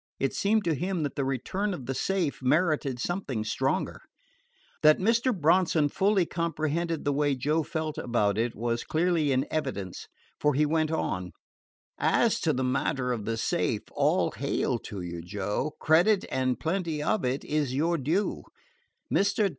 It seemed to him that the return of the safe merited something stronger. That Mr. Bronson fully comprehended the way Joe felt about it was clearly in evidence, for he went on: "As to the matter of the safe, all hail to you, Joe! Credit, and plenty of it, is your due. Mr.